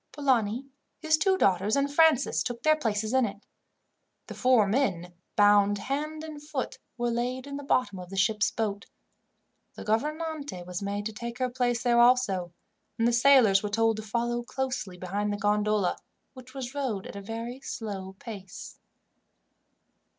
Polani, his two daughters, and Francis took their places in it. The four men, bound hand and foot, were laid in the bottom of the ship's boat; the gouvernante was made to take her place there also, and the sailors were told to follow closely behind the gondola, which was rowed at a very slow pace.